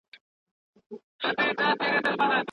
ژوند په ارمان کي تېرېږي .